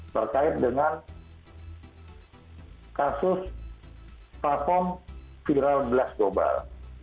berkait dengan kasus platform viral blast global